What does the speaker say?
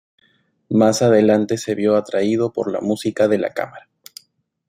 Más adelante se vio atraído por la música de cámara.